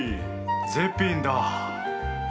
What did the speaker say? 絶品だ！